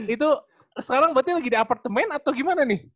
itu sekarang berarti lagi di apartemen atau gimana nih